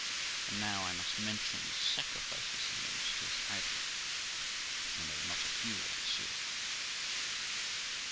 And now I must mention the sacrifices he made to his idol, and they were not a few, I assure you.